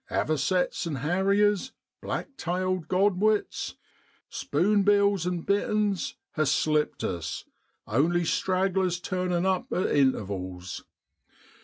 Avo cets an' harriers, black tailed godwits, spune bills an' bitterns ha' slipped us, only stragglers turnin' up at intervals.